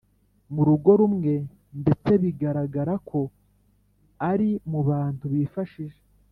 mu rugo rumwe ndetse bigaragara ko ari mubantu bifashije.